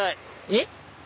えっ？